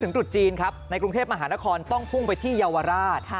ตรุษจีนครับในกรุงเทพมหานครต้องพุ่งไปที่เยาวราช